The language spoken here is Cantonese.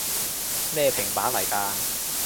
咩平板來㗎？